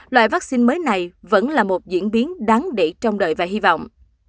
loại vaccine mới này vẫn là một diễn biến đáng để trong đợi và hy vọng